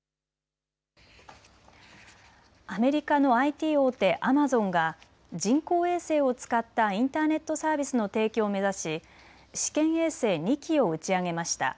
アメリカのＩＴ大手、アマゾンが人工衛星を使ったインターネットサービスの提供を目指し試験衛星２基を打ち上げました。